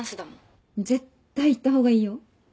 絶対行った方がいいよ。